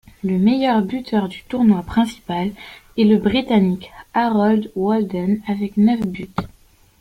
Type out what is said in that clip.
Le meilleur buteur du tournoi principal est le Britannique Harold Walden avec neuf buts.